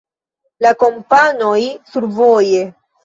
La Kompanoj: Survoje.